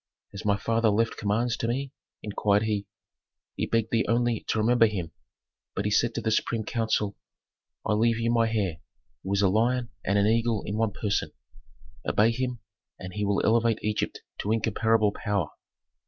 "Has my father left commands to me?" inquired he. "He begged thee only to remember him, but he said to the supreme council, 'I leave you my heir, who is a lion and an eagle in one person; obey him, and he will elevate Egypt to incomparable power.'"